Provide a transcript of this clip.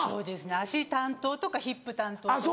足担当とかヒップ担当とか。